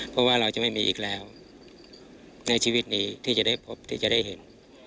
เพราะว่าเราจะไม่มีอีกแล้วในชีวิตนี้ที่จะได้พบที่จะได้เห็น